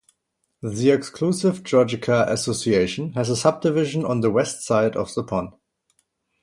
The exclusive Georgica Association has a subdivision on the west side of the pond.